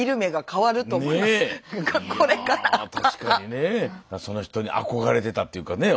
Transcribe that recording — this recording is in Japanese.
いや確かにねその人に憧れてたっていうかね